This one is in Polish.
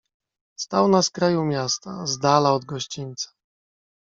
"Stał na skraju miasta, zdala od gościńca."